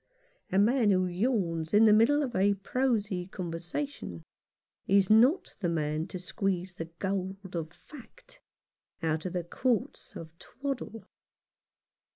A man who yawns in the middle of a prosy conversation is not the man to squeeze the gold of fact out of the quartz of twaddle.